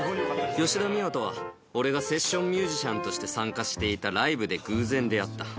吉田美和とは俺がセッションミュージシャンとして参加していたライブで偶然出会った。